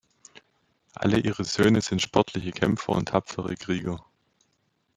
Alle ihre Söhne sind sportliche Kämpfer und tapfere Krieger.